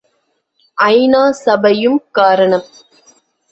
ஐ.நா., சபையும் காரணம்.